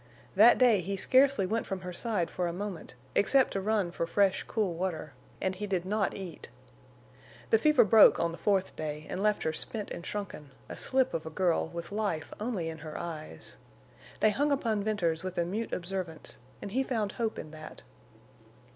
That day he scarcely went from her side for a moment, except to run for fresh, cool water; and he did not eat. The fever broke on the fourth day and left her spent and shrunken, a slip of a girl with life only in her eyes. They hung upon Venters with a mute observance, and he found hope in that.